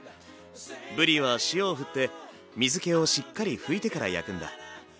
ぶりは塩をふって水けをしっかり拭いてから焼くんだ。